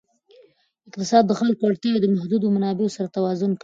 اقتصاد د خلکو اړتیاوې د محدودو منابعو سره توازن کوي.